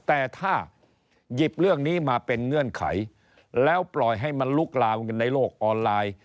แต่ถ้าหยิบเรื่องนี้มาเป็นเงื่อนไขแล้วปล่อยให้มันลุกลามกันในโลกออนไลน์